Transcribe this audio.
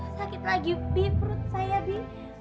sakit lagi bi perut saya bi